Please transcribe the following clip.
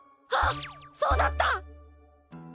ハッそうだった！